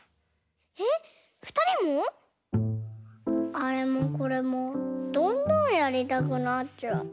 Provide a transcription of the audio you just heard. あれもこれもどんどんやりたくなっちゃう。